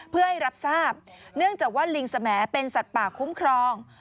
เพื่อให้รับทราบเนื่องจากว่าลิงสมแอเป็นสัตว์ป่าคุ้มครอง